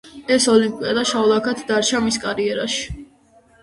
ეს ოლიმპიადა შავ ლაქად დარჩა მის კარიერაში.